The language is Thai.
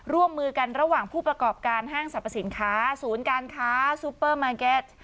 ร่วมมือกันระหว่างผู้ประกอบการห้างสรรพสินค้าศูนย์การค้าซูเปอร์มาร์เก็ต